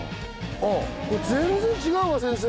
あぁこれ全然違うわ先生。